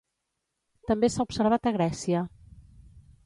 També s'ha observat a Grècia.